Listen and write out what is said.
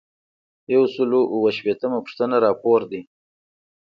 یو سل او اووه شپیتمه پوښتنه راپور دی.